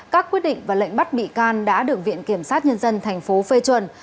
các quyết định và lệnh bắt bị can đã được viện kiểm sát nhân dân tp phê chuẩn